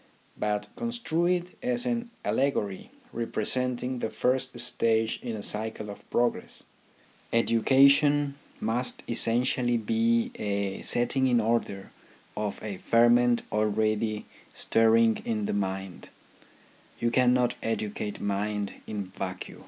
But construe it as an allegory representing the first stage in a cycle of progress. Education must essentially be a setting in order of a ferment already stirring in the mind : you cannot educate mind in vacuo.